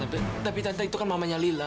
tapi tante itu kan mamanya lila